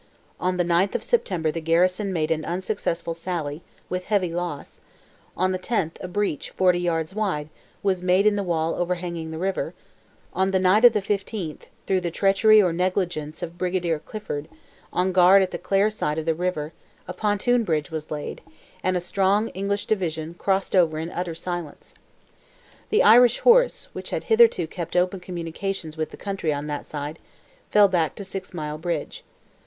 On the 9th of September the garrison made an unsuccessful sally, with heavy loss; on the 10th, a breach, forty yards wide, was made in the wall overhanging the river; on the night of the 15th, through the treachery or negligence of Brigadier Clifford, on guard at the Clare side of the river, a pontoon bridge was laid, and a strong English division crossed over in utter silence. The Irish horse, which had hitherto kept open communications with the country on that side, fell back to Six Mile Bridge.